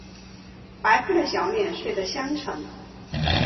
白胖的小脸睡的香沉